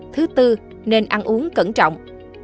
thứ tư nên ăn uống cẩn trọng